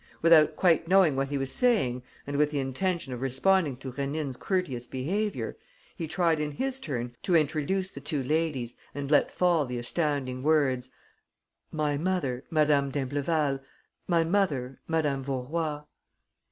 Without quite knowing what he was saying and with the intention of responding to Rénine's courteous behaviour, he tried in his turn to introduce the two ladies and let fall the astounding words: "My mother, Madame d'Imbleval; my mother, Madame Vaurois."